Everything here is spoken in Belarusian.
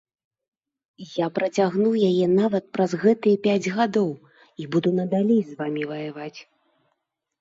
Я працягнуў яе нават праз гэтыя пяць гадоў і буду надалей з вамі ваяваць.